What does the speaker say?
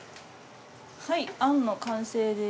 はいあんの完成です。